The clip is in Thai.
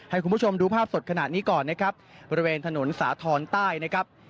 ให้คุณผู้ชมดูภาพสดขนาดนี้ก่อนนะครับบริเวณถนนสาธรณ์ใต้นะครับ